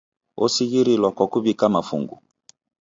Osighirilwa kwa kuw'ika mafungu.